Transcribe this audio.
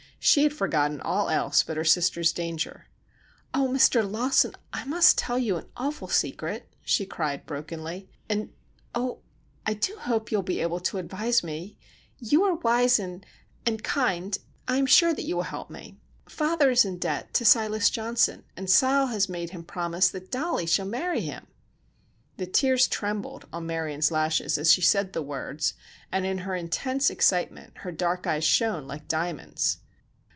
She had forgotten all else but her sister's danger. "Oh, Mr. Lawson, I must tell you an awful secret," she cried, brokenly, "and oh, I do hope you will be able to advise me—you are wise and—and kind—I am sure that you will help me. Father is in debt to Silas Johnson, and Sile has made him promise that Dollie shall marry him!" The tears trembled on Marion's lashes as she said the words, and in her intense excitement her dark eyes shone like diamonds.